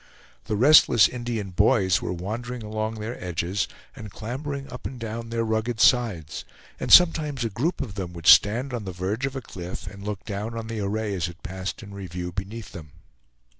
The restless Indian boys were wandering along their edges and clambering up and down their rugged sides, and sometimes a group of them would stand on the verge of a cliff and look down on the array as it passed in review beneath them.